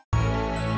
ini bukan kemarin